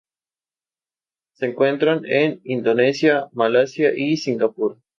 Se encuentran en Indonesia, Malasia, y Singapur.